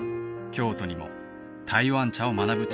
京都にも台湾茶を学ぶ